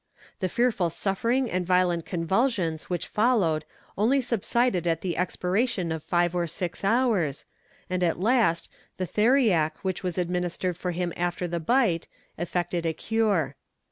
The fearful suffering and violent convulsions which followed only subsided at the expiration of five or six hours, and at last, the theriac which was administered to him after the bite, effected a cure.